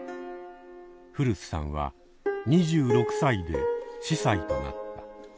古巣さんは２６歳で司祭となった。